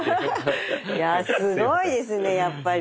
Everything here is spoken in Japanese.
いやすごいですねやっぱり。